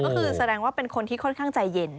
ก็คือแสดงว่าเป็นคนที่ค่อนข้างใจเย็น